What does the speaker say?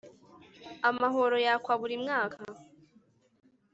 Amahoro yakwa buri mwaka